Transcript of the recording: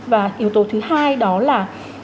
và yếu tố thứ hai đó là